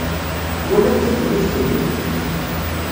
Twalam tagellidt-nni?